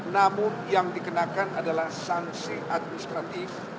namun yang dikenakan adalah sanksi administratif